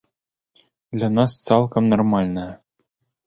Для нас цалкам нармальная.